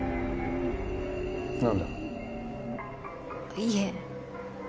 いえ。